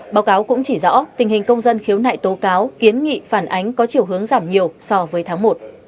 báo cáo cũng chỉ rõ tình hình công dân khiếu nại tố cáo kiến nghị phản ánh có chiều hướng giảm nhiều so với tháng một